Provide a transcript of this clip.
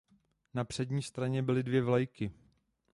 Na přední straně byly dvě vlajky.